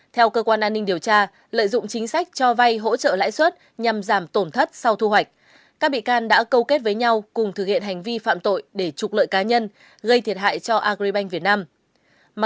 theo cơ quan an ninh điều tra lợi dụng chính sách cho vay hỗ trợ lãi suất nhằm giảm tổn thất sau thu hoạch các bị can đã câu kết với nhau cùng thực hiện hành vi phạm tội để trục lợi cá nhân gây thiệt hại cho agribank việt nam